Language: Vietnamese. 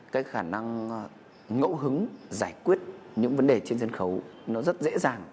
cái khả năng ngẫu hứng giải quyết những vấn đề trên sân khấu nó rất dễ dàng